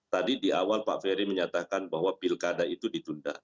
tadi di awal pak ferry menyatakan bahwa pilkada itu ditunda